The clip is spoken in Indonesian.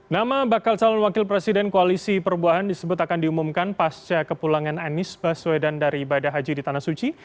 nama bakal calon wakil presiden koalisi perubahan disebut akan diumumkan pasca kepulangan anies baswedan dari ibadah haji di tanah suci